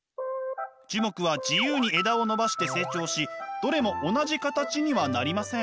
樹木は自由に枝を伸ばして成長しどれも同じ形にはなりません。